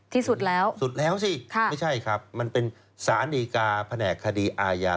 ที่สุดแล้วสุดแล้วสิไม่ใช่ครับมันเป็นสารดีกาแผนกคดีอาญา